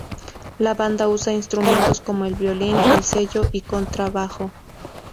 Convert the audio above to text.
La banda usa instrumentos como el violín, el cello y contra bajo.